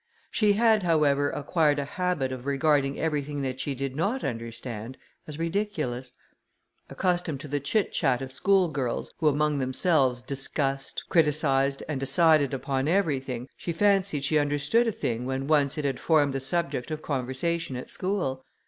She had, however, acquired a habit of regarding everything that she did not understand as ridiculous. Accustomed to the chit chat of school girls, who among themselves discussed, criticised, and decided upon everything, she fancied she understood a thing when once it had formed the subject of conversation at school.